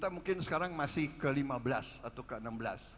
masih ke lima belas atau ke enam belas